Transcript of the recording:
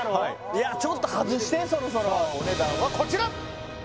いやちょっと外してそろそろお値段はこちら！